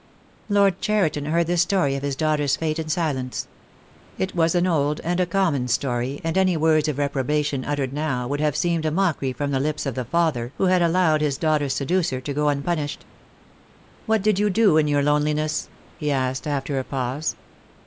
Lord Cheriton heard the story of his daughter's fate in silence. It was an old and a common story, and any words of reprobation uttered now would have seemed a mockery from the lips of the father who had allowed his daughter's seducer to go unpunished. "What did you do in your loneliness?" he asked, after a pause.